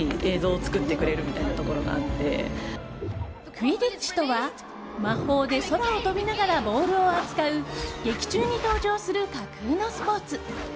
クィディッチとは、魔法で空を飛びながらボールを扱う劇中に登場する架空のスポーツ。